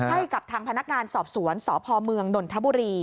ให้กับทางพนักงานสอบสวนสพเมืองนนทบุรี